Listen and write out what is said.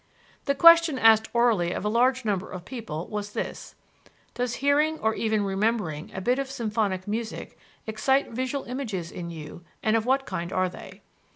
The question asked orally of a large number of people was this: "Does hearing or even remembering a bit of symphonic music excite visual images in you and of what kind are they?"